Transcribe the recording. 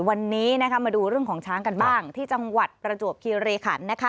วันนี้มาดูเรื่องของช้างกันบ้างที่จังหวัดประจวบคีรีขัน